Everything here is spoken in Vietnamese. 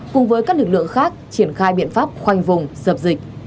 cùng với các lực lượng khác triển khai biện pháp khoanh vùng dập dịch